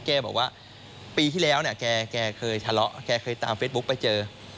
แกบอกว่าปีที่แล้วเนี่ยแกเคยทะเลาะแกเคยตามเฟซบุ๊คไปเจอ